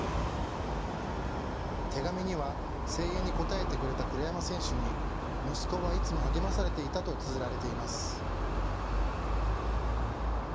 手紙には声援に応えてくれた栗山選手に息子はいつも励まされていたとつづられています。